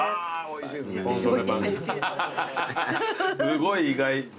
すごい意外何か。